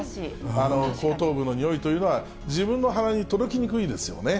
後頭部のにおいというのは、自分の鼻に届きにくいですよね。